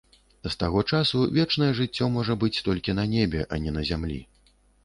З таго часу вечнае жыццё можа быць толькі на небе, а не на зямлі.